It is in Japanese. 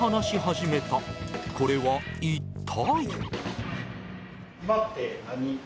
これは一体？